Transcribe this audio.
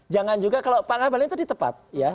jangan juga kalau pak ngabalin tadi tepat ya